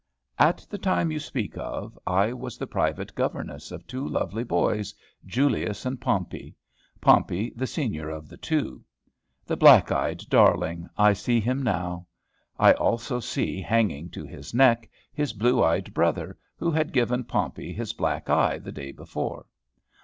At the time you speak of, I was the private governess of two lovely boys, Julius and Pompey, Pompey the senior of the two. The black eyed darling! I see him now. I also see, hanging to his neck, his blue eyed brother, who had given Pompey his black eye the day before.